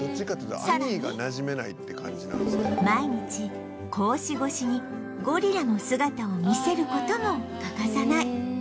さらに毎日格子越しにゴリラの姿を見せる事も欠かさない